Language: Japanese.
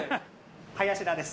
林田です